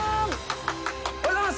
おはようございます。